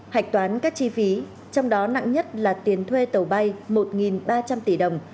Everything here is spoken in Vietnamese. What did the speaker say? hạch toán các chi phí trong đó nặng nhất là tiền thuê tàu bay một ba trăm linh tỷ đồng